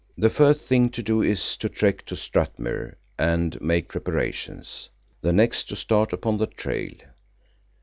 The first thing to do is to trek to Strathmuir and make preparations; the next to start upon the trail.